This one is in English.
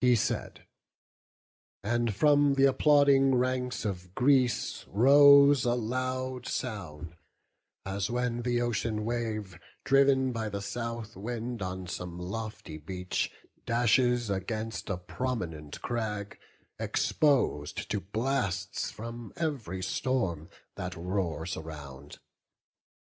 He said; and from th' applauding ranks of Greece Rose a loud sound, as when the ocean wave, Driv'n by the south wind on some lofty beach, Dashes against a prominent crag, expos'd To blasts from every storm that roars around.